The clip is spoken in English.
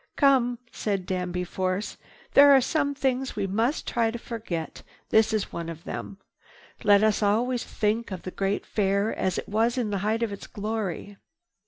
"Come!" said Danby Force, "There are some things we must try to forget. This is one of them. Let us always think of the great Fair as it was in the height of its glory."